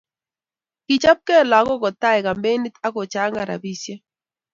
kichopke lokok kotai kampenit ab kechangan rabisiek